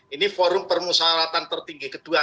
ini forum permusawaratan tertinggi kedua